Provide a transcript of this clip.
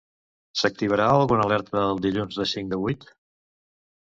S'activarà alguna alerta el dilluns de cinc a vuit?